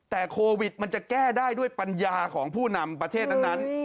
แต่โควิดมันจะแก้ได้ด้วยปัญญาของผู้นำประเทศทั้งนั้น